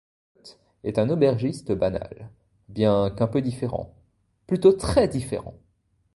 Kote est un aubergiste banal... bien qu'un peu différent... plutôt très différent!